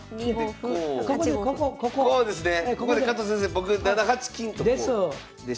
ここで加藤先生僕７八金と。です。